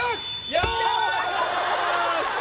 やったー！